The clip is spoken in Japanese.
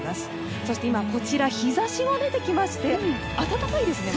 そして今、こちら日差しが出てきまして、暖かいですね。